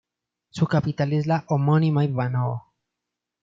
Su capital es la homónima Ivánovo.